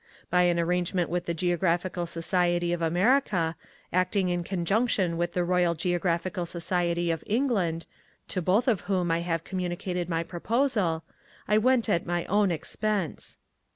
By an arrangement with the Geographical Society of America, acting in conjunction with the Royal Geographical Society of England (to both of whom I communicated my proposal), I went at my own expense.